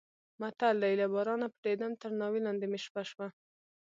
متل دی: له بارانه پټېدم تر ناوې لاندې مې شپه شوه.